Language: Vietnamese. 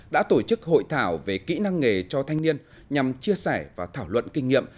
đã tổ chức hội thảo về kỹ năng nghề cho thanh niên nhằm chia sẻ và thảo luận kinh nghiệm